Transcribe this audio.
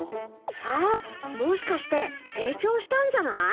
あもしかしてせい長したんじゃない？